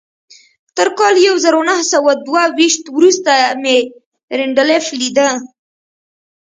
تر کال يو زر و نهه سوه دوه ويشت وروسته مې رينډالف ليده.